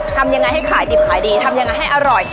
ทำยังไงให้ขายดิบขายดีทำยังไงให้อร่อย